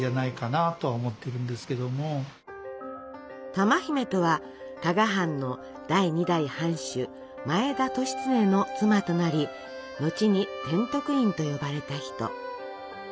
珠姫とは加賀藩の第２代藩主前田利常の妻となり後に天徳院と呼ばれた人。